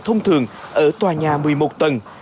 thông thường ở tòa nhà một mươi một tầng